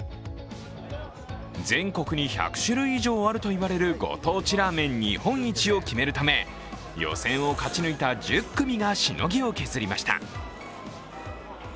全国に１００種類以上あるといわれるご当地ラーメン日本一を決めるため予選を勝ち抜いた１０組がしのぎを削りました。